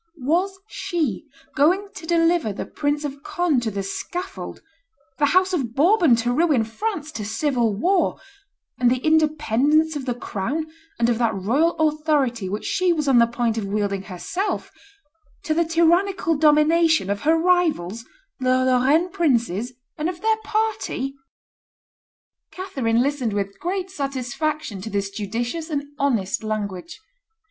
Was she going to deliver the Prince of Conde to the scaffold, the house of Bourbon to ruin, France to civil war, and the independence of the crown and of that royal authority which she was on the point of wielding herself to the tyrannical domination of her rivals the Lorraine princes and of their party? Catherine listened with great satisfaction to this judicious and honest language.